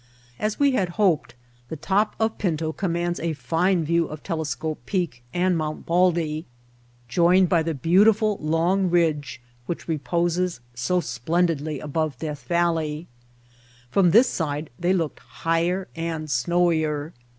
As we had hoped, the top of Pinto commands a fine view of Telescope Peak and Mt. Baldy joined by the beautiful, long ridge which re poses so splendidly above Death Valley. From this side they looked higher and snowier.